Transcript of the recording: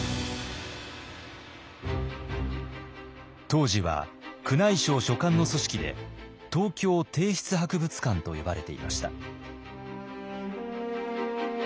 当時は宮内省所管の組織で東京帝室博物館と呼ばれていました。